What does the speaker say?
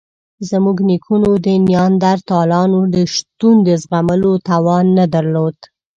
زموږ نیکونو د نیاندرتالانو د شتون د زغملو توان نه درلود.